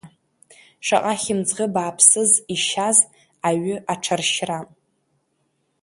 Шаҟа хьымӡӷы бааԥсыс ишьаз аҩы аҽаршьра!